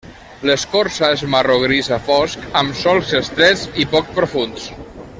L'escorça és marró grisa fosc amb solcs estrets i poc profunds.